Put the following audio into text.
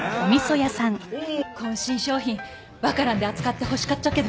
こん新商品ワカランで扱ってほしかっちゃけど。